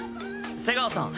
瀬川さん。